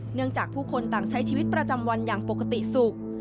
เนื่องจากผู้คนต่างใช้ชีวิตประจำวันอย่างปกติสุข